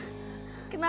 jalannya cepat amat